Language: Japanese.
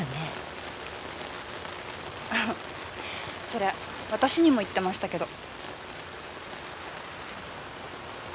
それ私にも言ってましたけど。